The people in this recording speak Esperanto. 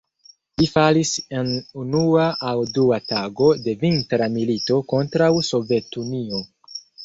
Li falis en unua aŭ dua tago de Vintra milito kontraŭ Sovetunio.